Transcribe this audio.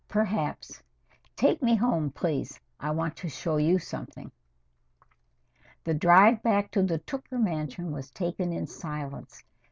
Perhaps. Take me home, please. I want to show you something." The drive back to the Tooker mansion was taken in silence.